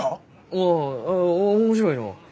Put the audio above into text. ああ面白いのう。